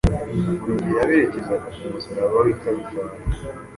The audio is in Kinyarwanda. Buri gihe yaberekezaga ku musaraba w’i Kaluvari.